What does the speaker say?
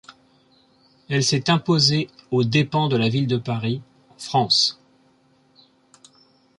Elle s'est imposée aux dépens de la ville de Paris, en France.